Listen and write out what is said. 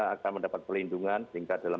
akan mendapat pelindungan sehingga dalam